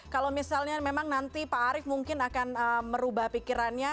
kalau misalnya memang nanti pak arief mungkin akan merubah pikirannya